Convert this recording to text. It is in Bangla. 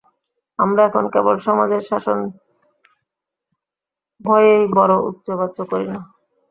আমরা এখন কেবল সমাজের শাসন-ভয়েই বড় উচ্চবাচ্য করি না।